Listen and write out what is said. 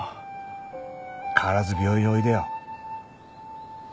変わらず病院おいでよ。